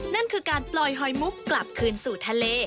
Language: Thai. นั่นคือการปล่อยหอยมุกกลับคืนสู่ทะเล